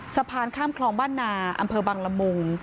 สะพานข้ามคลองบ้านนาอำเภอบังละมุง